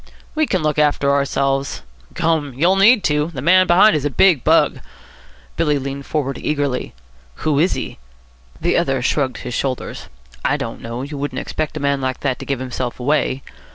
"We can look after ourselves." "Gum! you'll need to. The man behind is a big bug." Billy leaned forward eagerly. "Who is he?" The other shrugged his shoulders. "I don't know. You wouldn't expect a man like that to give himself away."